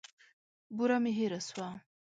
بوره مي هېره سوه .